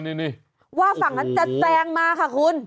นี่ว่าฝั่งนั้นจะแซงมาค่ะคุณ